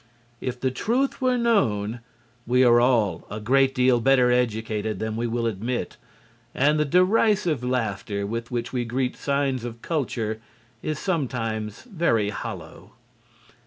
If the truth were known, we are all a great deal better educated than we will admit, and the derisive laughter with which we greet signs of culture is sometimes very hollow.